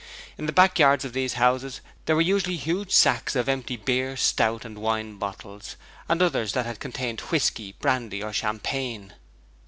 In the back yards of these houses there were usually huge stacks of empty beer, stout and wine bottles, and others that had contained whisky, brandy or champagne.